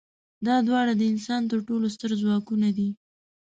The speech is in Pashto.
دا دواړه د انسان تر ټولو ستر ځواکونه دي.